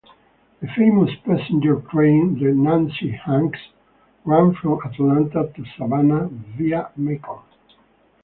The famous passenger train the "Nancy Hanks" ran from Atlanta to Savannah, via Macon.